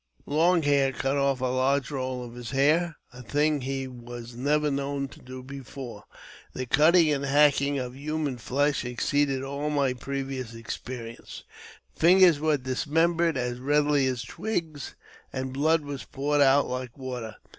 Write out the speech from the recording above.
Long Hair cut off a large roll of his hair, a thing he .vas never known to do before. The cutting and hacking of jiuman flesh exceeded all my previous experience ; fingers were jlismembered as readily as twigs, and blood was poured out ike water.